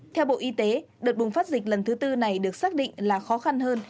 theo bộ y tế đợt bùng phát dịch lần thứ tư này được xác định là khó khăn hơn